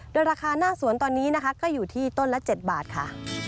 โดยราคาหน้าสวนตอนนี้นะคะก็อยู่ที่ต้นละ๗บาทค่ะ